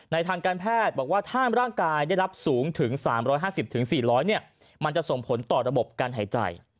ทางการแพทย์บอกว่าถ้าร่างกายได้รับสูงถึง๓๕๐๔๐๐มันจะส่งผลต่อระบบการหายใจ